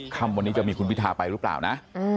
ค่ำวันนี้จะมีคุณพิทาไปหรือเปล่านะ